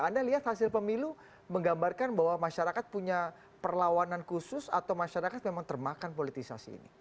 anda lihat hasil pemilu menggambarkan bahwa masyarakat punya perlawanan khusus atau masyarakat memang termakan politisasi ini